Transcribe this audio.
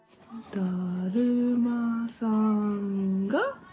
「だるまさんが」。